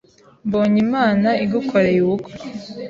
mbonye Imana igukoreye ubukwe,